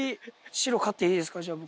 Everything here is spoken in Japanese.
白買っていいですか、僕。